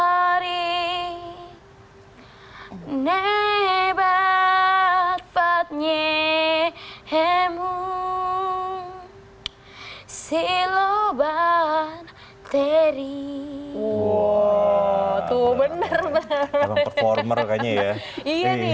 orang eh wari nebat fatnya emu siloban teri wow tuh bener bener former kayaknya iya nih